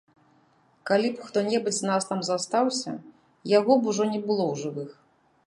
Калі б хто-небудзь з нас там застаўся, яго б ужо не было ў жывых.